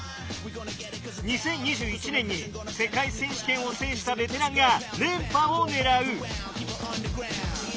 ２０２１年に世界選手権を制したベテランが、連覇を狙う！